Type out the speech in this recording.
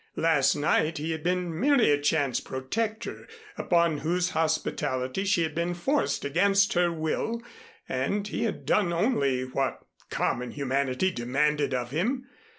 Last night he had been merely a chance protector, upon whose hospitality she had been forced against her will and he had done only what common humanity demanded of him.